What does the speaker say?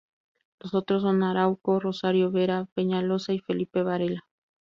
Los otros son Arauco, Rosario Vera Peñaloza y Felipe Varela.